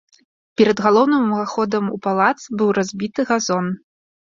Перад галоўным уваходам у палац быў разбіты газон.